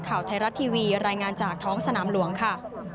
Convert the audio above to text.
ข่าวไทยรัฐทีวีรายงานจากท้องสนามหลวงค่ะ